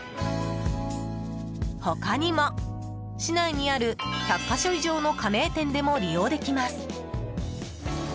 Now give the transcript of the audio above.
他にも市内にある１００か所以上の加盟店でも利用できます。